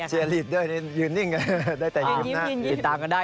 เจรียดด้วยอยู่นิ่งได้แต่ยิ้มหน้ายิ้มตามกันได้